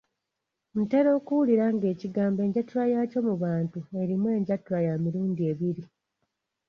Ntera okuwulira ng'ekigambo enjatula yaakyo mu bantu erimu enjatula ya mirundi ebiri.